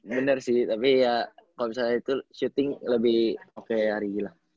bener sih tapi ya kalau misalnya itu shooting lebih oke ariji lah